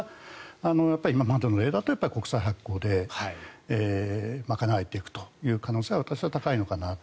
今のままでは国債発行で賄えていく可能性は私は高いのかなと。